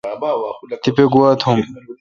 تیپہ مہ گوا توم۔